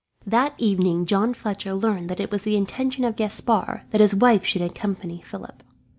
That evening John Fletcher learned that it was the intention of Gaspard that his wife should accompany Philip.